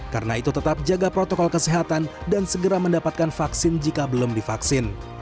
karena itu tetap jaga protokol kesehatan dan segera mendapatkan vaksin jika belum divaksin